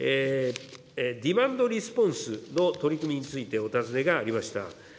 ディマンドレスポンスの取り組みについてお尋ねがありました。